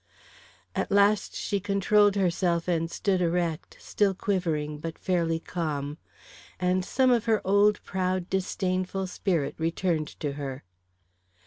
At last she controlled herself and stood erect, still quivering, but fairly calm. And some of her old proud, disdainful spirit returned to her.